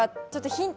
ヒント